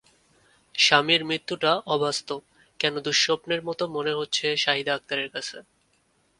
স্বামীর মৃত্যুটা অবাস্তব কোনো দুঃস্বপ্নের মতো মনে হচ্ছে শাহিদা আক্তারের কাছে।